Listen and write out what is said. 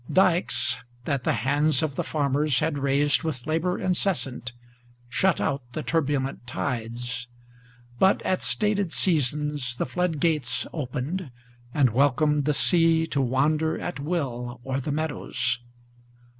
Dikes, that the hands of the farmers had raised with labor incessant, Shut out the turbulent tides; but at stated seasons the flood gates Opened, and welcomed the sea to wander at will o'er the meadows.